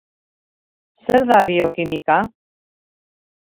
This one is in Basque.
Zer da biokimika?